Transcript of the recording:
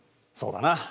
そうだな。